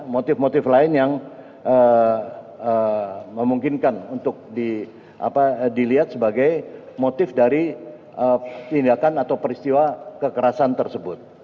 motif motif lain yang memungkinkan untuk dilihat sebagai motif dari tindakan atau peristiwa kekerasan tersebut